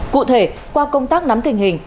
cụ thể qua công tác nắm tình hình